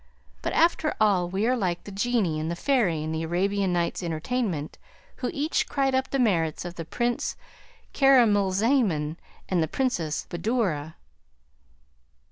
But, after all, we are like the genie and the fairy in the Arabian Nights' Entertainment, who each cried up the merits of the Prince Caramalzaman and the Princess Badoura."